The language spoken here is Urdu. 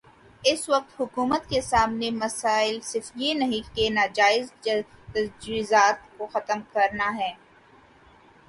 اس وقت حکومت کے سامنے مسئلہ صرف یہ نہیں ہے کہ ناجائز تجاوزات کو ختم کرنا ہے۔